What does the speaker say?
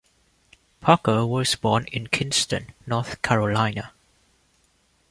Parker was born in Kinston, North Carolina.